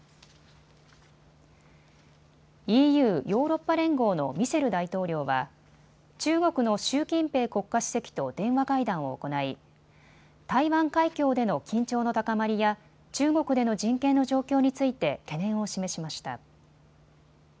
ＥＵ・ヨーロッパ連合のミシェル大統領は中国の習近平国家主席と電話会談を行い、台湾海峡での緊張の高まりや中国での人権の状況について懸念を示しました。